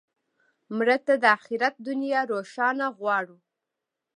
مړه ته د آخرت دنیا روښانه غواړو